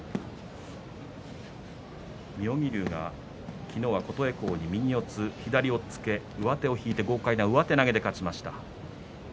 妙義龍が昨日は琴恵光に右四つ左押っつけ上手を引いて豪快な上手投げで勝ちました。